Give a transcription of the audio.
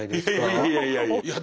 いやいやいやいや。